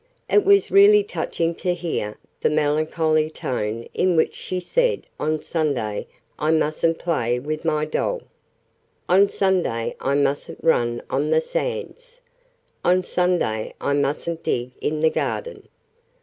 It was really touching to hear the melancholy tone in which she said 'On Sunday I mustn't play with my doll! On Sunday I mustn't run on the sands! On Sunday I mustn't dig in the garden!'